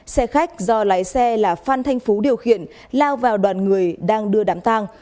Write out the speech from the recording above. xe khách do lái xe là phan thanh phú điều khiển lao vào đoàn người đang đưa đám tang